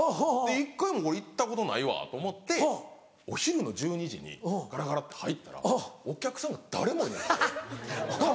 １回も行ったことないわと思ってお昼の１２時にガラガラって入ったらお客さんが誰もいなくて。